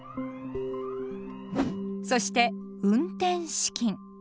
そして「運転資金」。